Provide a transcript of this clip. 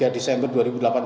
sampai dengan data hari ini